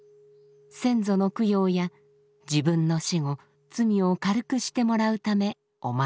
先祖の供養や自分の死後罪を軽くしてもらうためお参りします。